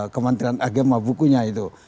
kementerian agama bukunya itu